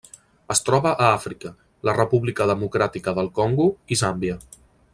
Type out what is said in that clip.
Es troba a Àfrica: la República Democràtica del Congo i Zàmbia.